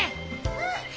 うん！